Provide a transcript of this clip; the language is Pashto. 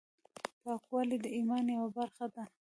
پاکوالی د ایمان یوه برخه ده۔